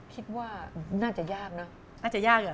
คิดว่าน่าจะยากนะ